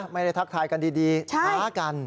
ไม่ได้ทักทายกันดีท้ากัน